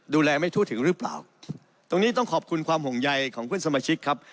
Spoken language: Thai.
ดูแลไม่ทั่วถึงหรือเปล่าตรงนี้ต้องขอบคุณความห่วงใยของเพื่อนสมาชิกครับ